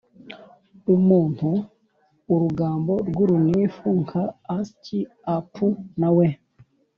umuntu; urugambo rw'urunifu nka: asy i, apu, na we